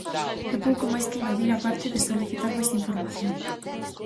E pouco máis que engadir á parte de solicitar máis información.